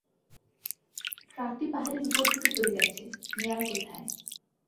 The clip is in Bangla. ট্রাকটি পাহাড়ের উপর থেকে পরে গেছে -মেয়ার কোথায়?